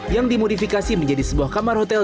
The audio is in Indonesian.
yang dimodifikasi menjadi sebuah kamar hotel